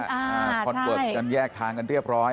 คอนเวิร์ตกันแยกทางกันเรียบร้อย